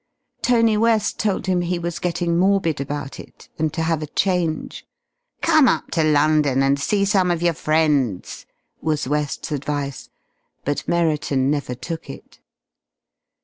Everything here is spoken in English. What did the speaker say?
Tony West told him he was getting morbid about it, and to have a change. "Come up to London and see some of your friends," was West's advice. But Merriton never took it.